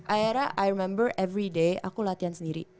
aira i remember everyday aku latihan sendiri